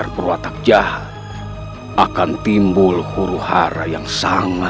terima kasih atas dukungan anda